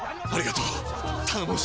ありがとう！